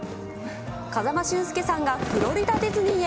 風間俊介さんがフロリダディズニーへ。